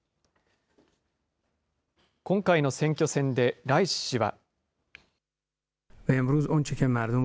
今回の選挙戦でライシ師は。